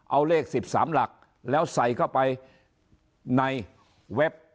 เอาเลข๑๓หลักแล้วใส่เข้าไปในเว็บ